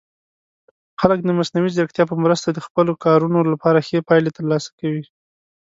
خلک د مصنوعي ځیرکتیا په مرسته د خپلو کارونو لپاره ښه پایلې ترلاسه کوي.